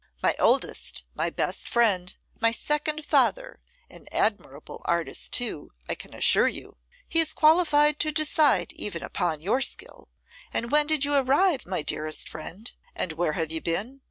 My oldest, my best friend, my second father; an admirable artist, too, I can assure you. He is qualified to decide even upon your skill. And when did you arrive, my dearest friend? and where have you been?